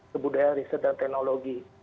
kebudayaan riset dan teknologi